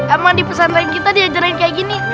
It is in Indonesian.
emang dipesan dari kita diajarin kayak gini